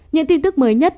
những tin tức mới nhất